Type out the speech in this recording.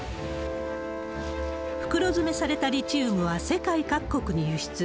袋詰めされたリチウムは世界各国に輸出。